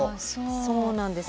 そうなんです。